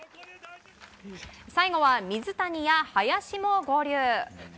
最後は水谷や林も合流。